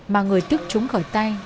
mà người thức chúng khỏi tay